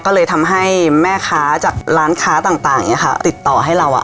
ก็เลยทำให้แม่ค้าจากร้านค้าต่างอย่างเงี้ค่ะติดต่อให้เราอ่ะ